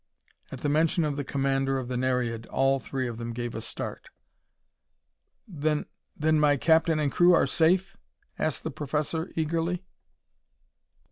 At the mention of the commander of the Nereid, all three of them gave a start. "Then then my captain and crew are safe?" asked the professor, eagerly.